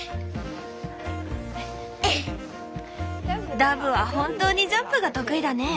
ダブは本当にジャンプが得意だね！